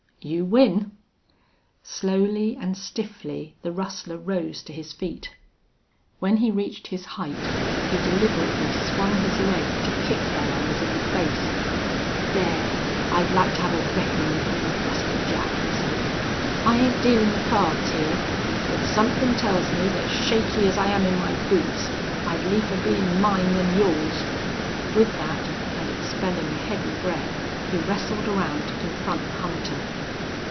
"You win!" Slowly and stiffly the rustler rose to his feet. When he reached his height he deliberately swung his leg to kick Belllounds in the face. "Thar! I'd like to have a reckonin' with you, Buster Jack," he said. "I ain't dealin' the cards hyar. But somethin' tells me thet, shaky as I am in my boots, I'd liefer be in mine than yours." With that, and expelling a heavy breath, he wrestled around to confront the hunter.